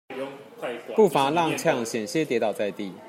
步伐踉蹌險些跌倒在地